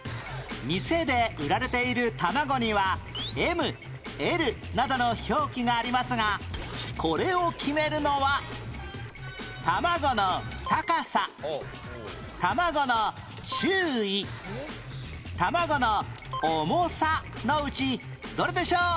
店で売られている卵には「Ｍ」「Ｌ」などの表記がありますがこれを決めるのは卵の高さ卵の周囲卵の重さのうちどれでしょう？